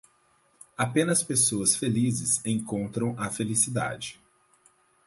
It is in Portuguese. Apenas pessoas felizes encontram a felicidade.